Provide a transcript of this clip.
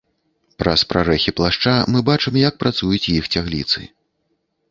Праз прарэхі плашча мы бачым, як працуюць іх цягліцы.